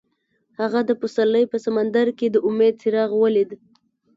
هغه د پسرلی په سمندر کې د امید څراغ ولید.